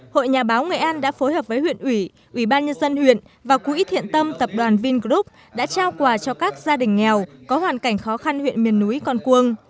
hội nhà báo nghệ an đã phối hợp với huyện ủy ủy ban nhân dân huyện và quỹ thiện tâm tập đoàn vingroup đã trao quà cho các gia đình nghèo có hoàn cảnh khó khăn huyện miền núi con cuông